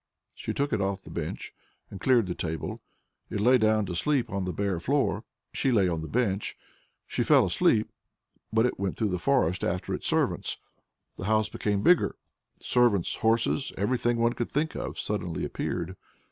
She took it off the bench, and cleared the table. It lay down to sleep on the bare floor; she lay on the bench. She fell asleep, but it went into the forest after its servants. The house became bigger; servants, horses, everything one could think of suddenly appeared.